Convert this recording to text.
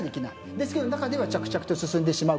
ですけど中では着々と進んでしまう。